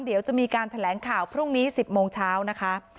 เดี๋ยวจะมีการแถลงข่าวพรุ่งนี้๑๐โมงเช้านะคะ